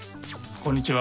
こんにちは。